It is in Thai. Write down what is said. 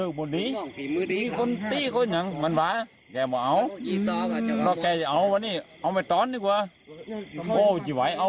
เขาก็ตามแล้วมันกระเจาะ